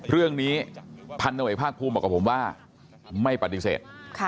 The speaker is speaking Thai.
พันธุ์ตำรวจเอกภาคภูมิบอกกับผมว่าไม่ปฏิเสธ